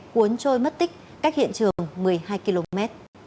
cuốn trôi mất tích cách hiện trường một mươi hai km